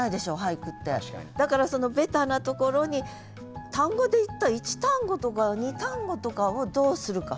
だからそのベタなところに単語でいったら１単語とか２単語とかをどうするか。